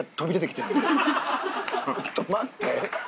ちょっと待って。